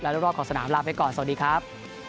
รอบขอบสนามลาไปก่อนสวัสดีครับ